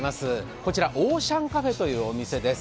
こちらオーシャンカフェというお店です。